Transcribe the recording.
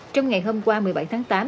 trong ngày hôm qua một mươi bảy tháng tám